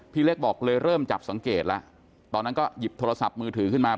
พี่เล็กบอกเลยเริ่มจับสังเกตแล้วตอนนั้นก็หยิบโทรศัพท์มือถือขึ้นมา